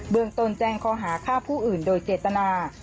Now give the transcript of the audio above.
เมืองตนแจ้งข้อหาฆ่าผู้อื่นโดยเจตนา